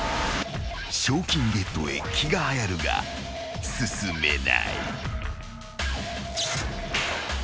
［賞金ゲットへ気がはやるが進めない］